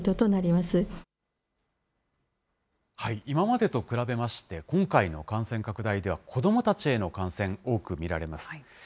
今までと比べまして、今回の感染拡大では、子どもたちへの感染、多く見られます。